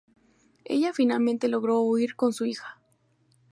Ella finalmente logró huir con su hija.